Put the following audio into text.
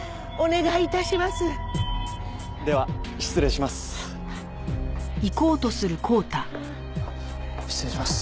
では失礼します。